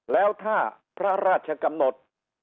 แล้วถ้าพระราชกำหนด